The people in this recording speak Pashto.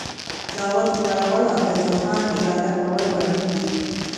دعوت خپرول او د جهاد اداره کول اړين دي.